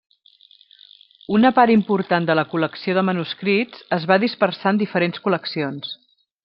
Una part important de la col·lecció de manuscrits es va dispersar en diferents col·leccions.